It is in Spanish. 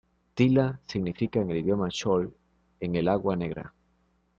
Tila, significa en el idioma chol En el agua negra.